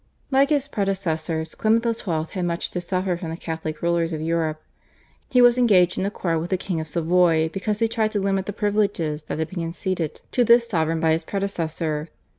Like his predecessors, Clement XII. had much to suffer from the Catholic rulers of Europe. He was engaged in a quarrel with the King of Savoy because he tried to limit the privileges that had been conceded to this sovereign by his predecessor.